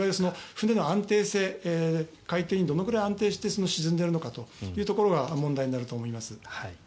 船の安定性海底にどのくらい安定しているのかというところが問題になると思います。